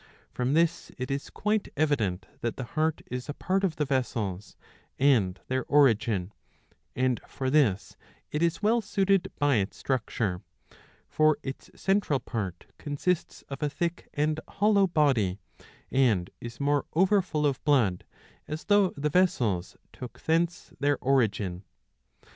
^" From this it is quite evident that the heart is a part of the Vessels and their origin ; and for this it is well suited by its structure. For its centraPi part consists of a thick and hollow body, and is more over full of blood, as though the vessels took thence their origin.